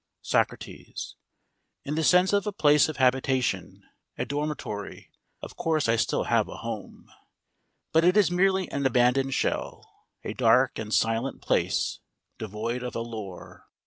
SOCRATES: In the sense of a place of habitation, a dormitory, of course I still have a home; but it is merely an abandoned shell, a dark and silent place devoid of allure.